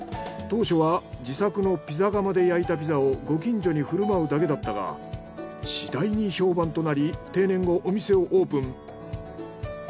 当初は自作のピザ窯で焼いたピザをご近所に振る舞うだけだったが次第に評判となり定年後お店をオープン。